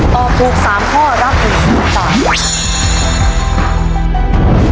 ตอบถูก๓ข้อรับ๑๐๐๐บาท